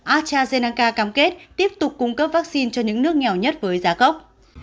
astrazeneca cam kết tiếp tục cung cấp vaccine cho những nước nghèo nhất với giá gốc